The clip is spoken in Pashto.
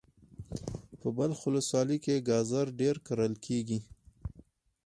په بلخ ولسوالی کی ګازر ډیر کرل کیږي.